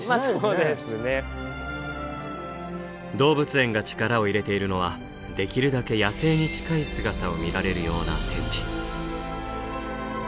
動物園が力を入れているのはできるだけ野生に近い姿を見られるような展示。